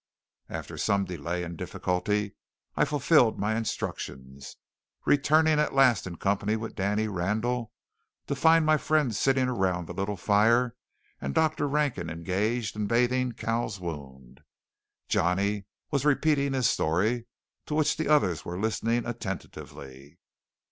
After some delay and difficulty I fulfilled my instructions, returning at last in company with Danny Randall, to find my friends sitting around the little fire, and Dr. Rankin engaged in bathing Cal's wound. Johnny was repeating his story, to which the others were listening attentively.